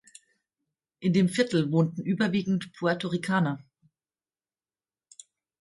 In dem Viertel wohnten überwiegend Puertoricaner.